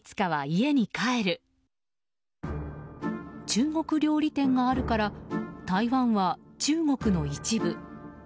中国料理店があるから台湾は中国の一部。